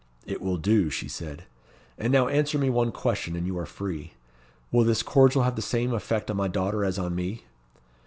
"It will do," she said. "And now answer me one question, and you are free. Will this cordial have the same effect on my daughter as on me?"